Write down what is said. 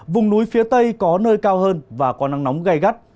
vùng núi phía tây có nơi cao hơn và có nắng nóng gai gắt